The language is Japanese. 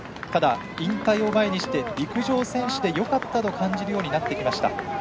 ただ、引退を前にして陸上選手でよかったと感じるようになってきました。